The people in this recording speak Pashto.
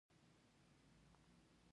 دا د جوړښتونو په اصلاح کې وي.